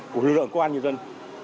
của lực lượng công an nhân dân